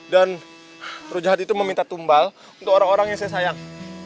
rujak hati itu meminta tumbal untuk orang orang yang saya sayang